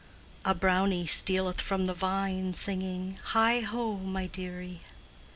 A brownie stealeth from the vine Singing, "Heigho, my dearie!